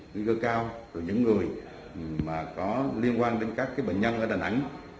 nguy cơ cao từ những người có liên quan đến các bệnh nhân ở đà nẵng